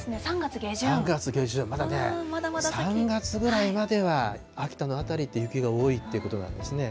３月下旬、まだね、３月ぐらいまでは秋田の辺りって雪が多いということなんですね。